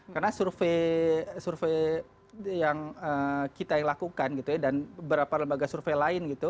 karena survei yang kita lakukan gitu ya dan beberapa lembaga survei lain gitu